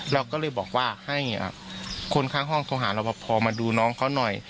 เราก็เลยบอกว่าให้คนข้างห้องโทรหาเราพอมาดูน้องเขาหน่อย